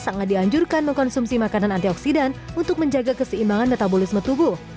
sangat dianjurkan mengkonsumsi makanan antioksidan untuk menjaga keseimbangan metabolisme tubuh